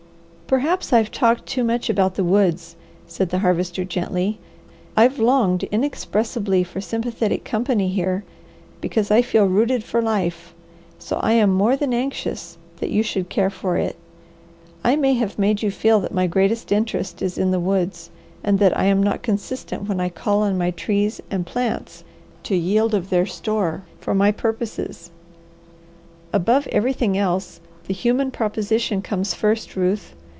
"Perhaps I've talked too much about the woods," said the Harvester gently. "I've longed inexpressibly for sympathetic company here, because I feel rooted for life, so I am more than anxious that you should care for it. I may have made you feel that my greatest interest is in the woods, and that I am not consistent when I call on my trees and plants to yield of their store for my purposes. Above everything else, the human proposition comes first, Ruth.